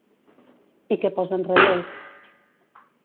I què posa en relleu?